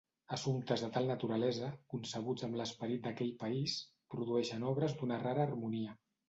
Assumptes de tal naturalesa, concebuts amb l’esperit d’aquell país, produeixen obres d’una rara harmonia.